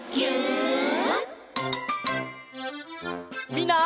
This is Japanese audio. みんな。